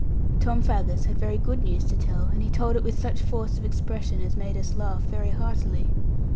Tom Faggus had very good news to tell, and he told it with such force of expression as made us laugh very heartily.